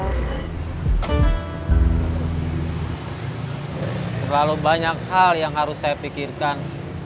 terlalu banyak hal yang harus saya pikirkan